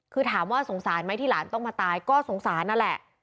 คือถามว่าสงสารไหมที่หลานต้องมาตายก็สงสารนั่นแหละ